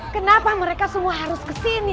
kenapa mereka semua harus kesini